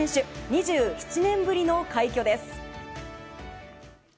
２７年ぶりの快挙です。